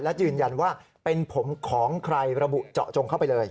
และยืนยันว่าเป็นผมของใครระบุเจาะจงเข้าไปเลย